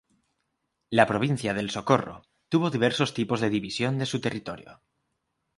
La provincia del Socorro tuvo diversos tipos de división de su territorio.